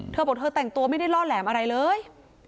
เธอบอกเธอแต่งตัวไม่ได้ล่อแหลมอะไรเลย